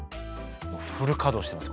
もうフル稼働してます